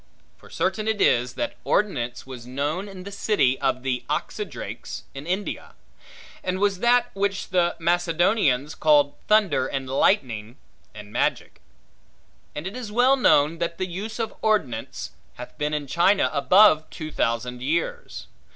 For certain it is, that ordnance was known in the city of the Oxidrakes in India; and was that, which the Macedonians called thunder and lightning, and magic. And it is well known that the use of ordnance, hath been in China above two thousand years.